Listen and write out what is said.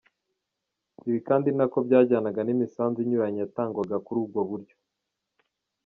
Ibi kandi ninako byajyanaga n’imisanzu inyuranye yatangwaga kuri ubwo buryo.